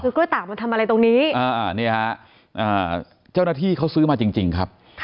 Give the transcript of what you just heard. คือกล้วยตากมันทำอะไรตรงนี้เจ้าหน้าที่เขาซื้อมาจริงครับ